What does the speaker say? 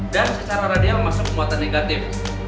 dan secara radial masuk ke muatan negatif